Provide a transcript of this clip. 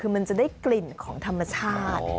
คือมันจะได้กลิ่นของธรรมชาติ